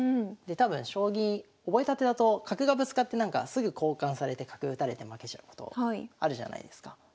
で多分将棋覚えたてだと角がぶつかってなんかすぐ交換されて角打たれて負けちゃうことあるじゃないですか。